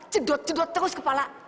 cedot cedot terus kepala